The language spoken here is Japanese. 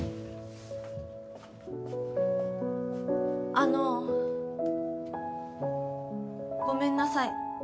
あのごめんなさい。